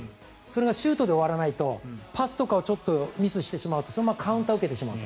シュートで終わらないでパスとかちょっとミスしてしまうとそのままカウンターを受けてしまうと。